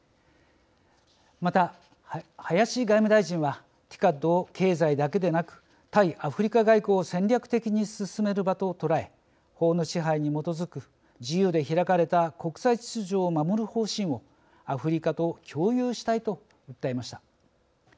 また林外務大臣はＴＩＣＡＤを経済だけでなく対アフリカ外交を戦略的に進める場と捉え法の支配に基づく自由で開かれた国際秩序を守る方針をアフリカと共有したいと訴えました。